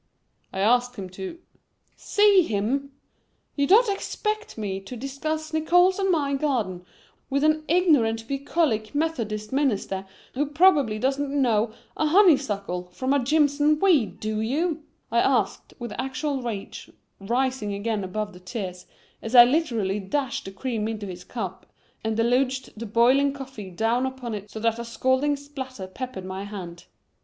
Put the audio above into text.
"I asked him to " "See him? You don't expect me to discuss Nickols' and my garden with an ignorant bucolic Methodist minister, who probably doesn't know a honeysuckle from a jimson weed, do you?" I asked with actual rage rising again above the tears as I literally dashed the cream into his cup and deluged the boiling coffee down upon it so that a scalding splatter peppered my hand.